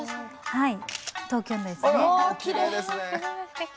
はい。